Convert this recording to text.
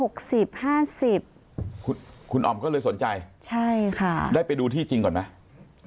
คุณอ๋อมก็เลยสนใจได้ไปดูที่จริงก่อนไหมใช่ค่ะ